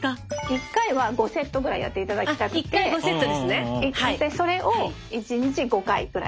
１回は５セットぐらいやっていただきたくてそれを１日５回くらい。